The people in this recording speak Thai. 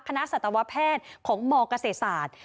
คณะสัตวแพทย์ของมกระเศษาจ